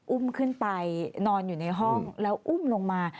อุ้มขึ้นไปนอนอยู่ในห้องแล้วอุ้มลงมา